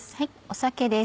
酒です。